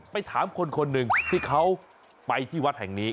ไปถามคนหนึ่งที่เขาไปที่วัดแห่งนี้